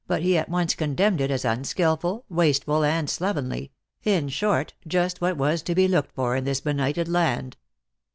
he at once condemned it as unskillful, wasteful, and slovenly; in short, just what was to be looked for in this benighted land.